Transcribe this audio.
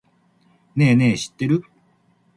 ねぇねぇ、知ってる？